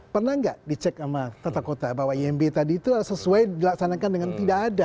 pernah nggak dicek sama tata kota bahwa imb tadi itu sesuai dilaksanakan dengan tidak ada